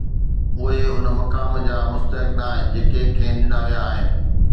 اهي ان مقام جا مستحق نه آهن، جيڪي کين ڏنا ويا آهن